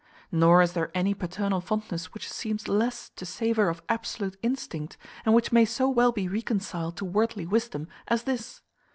Nor is there any paternal fondness which seems less to savour of absolute instinct, and which may so well be reconciled to worldly wisdom, as this.